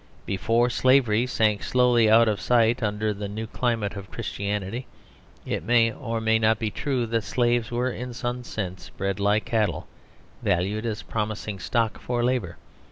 Before slavery sank slowly out of sight under the new climate of Christianity, it may or may not be true that slaves were in some sense bred like cattle, valued as a promising stock for labour.